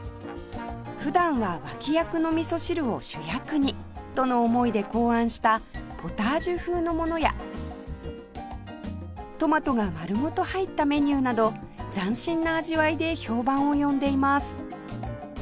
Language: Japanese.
普段は脇役のみそ汁を主役にとの思いで考案したポタージュ風のものやトマトが丸ごと入ったメニューなど斬新な味わいで評判を呼んでいます